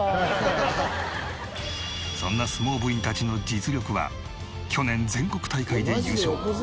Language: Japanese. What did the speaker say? そんな相撲部員たちの実力は去年全国大会で優勝。